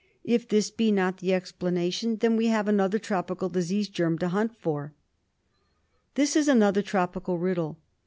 If this be not the explanation then we have another tropical disease germ to hunt for. This is another tropical riddle.